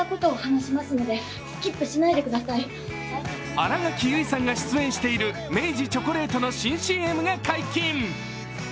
新垣結衣さんが出演している明治チョコレートの新ＣＭが解禁。